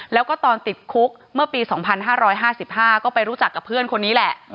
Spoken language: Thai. แล้วก็ตอนติดคุกเมื่อปี๒๕๕๕ก็ไปรู้จักกับเพื่อนคนนี้แหละ